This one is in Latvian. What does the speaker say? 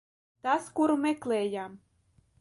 Tas, kuru meklējām.